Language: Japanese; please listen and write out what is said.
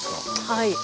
はい。